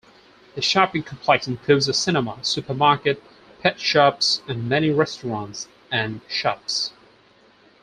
The shopping complex includes a cinema, supermarket, pet shops and many restaurants and shops.